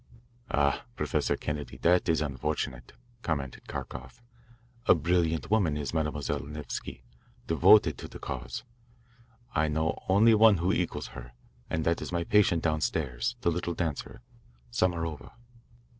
"Ah, Professor Kennedy, that is unfortunate," commented Kharkoff. "A brilliant woman is Mademoiselle Nevsky devoted to the cause. I know only one who equals her, and that is my patient downstairs, the little dancer, Samarova."